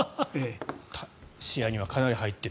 試合にはかなり入っている。